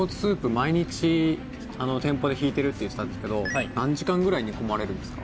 毎日店舗でひいてるって言ってたんですけど何時間ぐらい煮込まれるんですか？